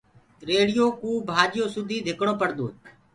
ريڙهيو ڪوُ ڀآڃيو سُدي ڌڪڻو پڙدو هي۔